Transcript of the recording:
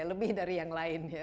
lebih dari yang lain ya